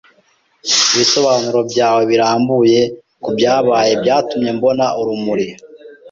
Ibisobanuro byawe birambuye kubyabaye byatumye mbona urumuri.